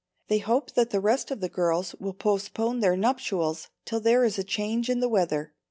They hope that the rest of the girls will postpone their nuptials till there is a change in the weather.